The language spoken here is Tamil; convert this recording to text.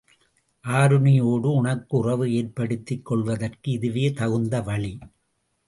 ஆருணியோடு உனக்கு உறவு ஏற்படுத்திக் கொள்வதற்கு இதுவே தகுந்த வழி.